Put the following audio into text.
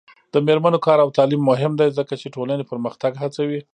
د میرمنو کار او تعلیم مهم دی ځکه چې ټولنې پرمختګ هڅوي.